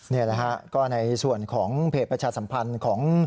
นี่แหละฮะก็ในส่วนของเพจประชาสัมพันธ์ของ